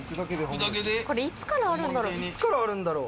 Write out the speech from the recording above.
いつからあるんだろう。